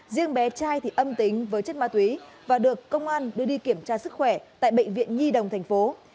riêng bé trai thì âm tính với chất ma túy và được công an đưa đi kiểm tra sức khỏe tại bệnh viện nhi đồng tp